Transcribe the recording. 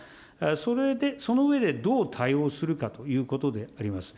それで、その上でどう対応するかということであります。